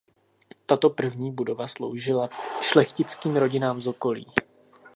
Tato první budova sloužila šlechtickým rodinám z okolí.